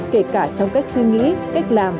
kể cả trong cách suy nghĩ cách làm